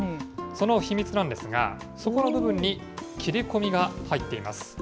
その秘密なんですが、底の部分に切れ込みが入っています。